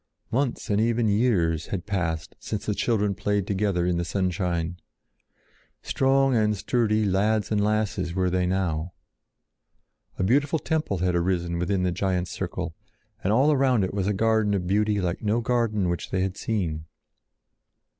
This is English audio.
Months and even years had passed since the children played together in the sunshine. Strong and sturdy lads and lasses were they now. A beautiful temple had arisen within the giant circle, and all around it was a garden of beauty like no garden which they had seen.